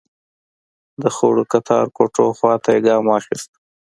د خړو کتار کوټو خواته يې ګام واخيست.